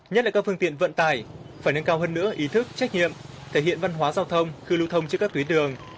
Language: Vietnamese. nhất là các phương tiện vận tải phải nâng cao hơn nữa ý thức trách nhiệm thể hiện văn hóa giao thông khi lưu thông trên các tuyến đường